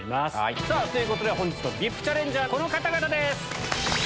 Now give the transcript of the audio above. ということで本日のＶＩＰチャレンジャーこの方々です。